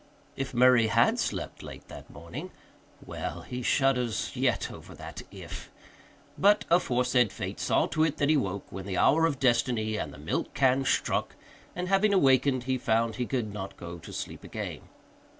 If Murray had slept late that morning well, he shudders yet over that "if." But aforesaid Fate saw to it that he woke when the hour of destiny and the milk can struck, and having awakened he found he could not go to sleep again.